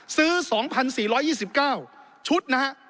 ซื้อ๒๔๒๙ชุดนะฮะ